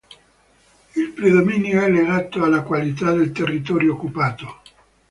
Il predominio è legato alla qualità del territorio occupato.